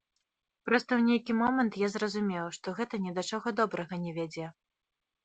Проста, у нейкі момант я зразумеў, што гэта ні да чаго добрага не вядзе.